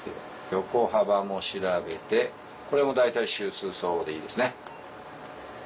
横幅も調べてこれも大体週数相応でいいですね。